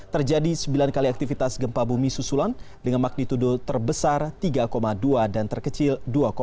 terjadi sembilan kali aktivitas gempa bumi susulan dengan magnitudo terbesar tiga dua dan terkecil dua tujuh